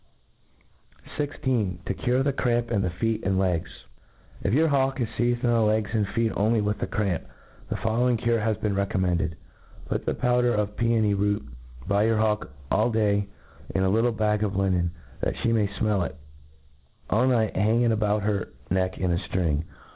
\ i6» To cure the Cramp in the Feet snd Legt. If your hawk is feized in the legs and feet only 'with the cramp, the following cure has }}e(sn recommended. Put the powder of peony root l|y your hawk, all day, in a little bag of • Enen, that fhe may fmell it ; all night hang it ahout her neck in a firing.